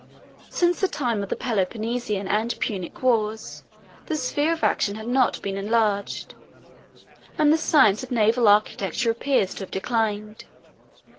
71 Since the time of the Peloponnesian and Punic wars, the sphere of action had not been enlarged; and the science of naval architecture appears to have declined.